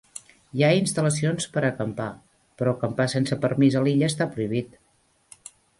Hi ha instal·lacions per a acampar, però acampar sense permís a l'illa està prohibit.